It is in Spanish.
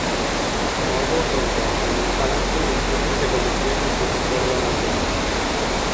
Mordo pronto abandonó el palacio y Stephen se convirtió en el sucesor del Anciano.